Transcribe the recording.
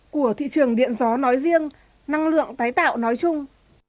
của thị trường điện gió nói riêng năng lượng tái tạo nói chung